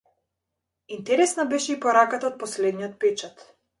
Интересна беше и пораката од последниот печат.